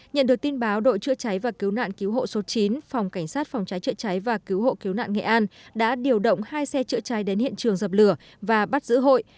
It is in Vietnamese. nhận được tin báo đội chữa cháy và cứu nạn cứu hộ số chín phòng cảnh sát phòng cháy chữa cháy và cứu hộ cứu nạn nghệ an đã điều động hai xe chữa cháy đến hiện trường dập lửa và bắt giữ hội